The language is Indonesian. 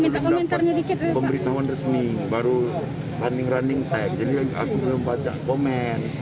belum dapat pemberitahuan resmi baru running running time jadi aku belum baca komen